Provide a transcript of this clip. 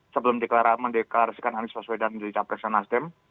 sebelum mendeklarasikan anies fasweda menjadi capresen nasdem